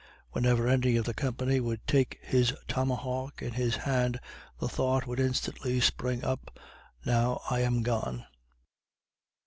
Whenever any of the company would take his tomahawk in his hand, the thought would instantly spring up, now I am gone.